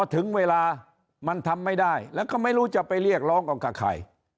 ถึงเวลามันทำไม่ได้แล้วก็ไม่รู้จะไปเรียกร้องเอากับใคร